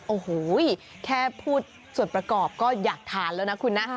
โอ้โหแค่พูดส่วนประกอบก็อยากทานแล้วนะคุณนะ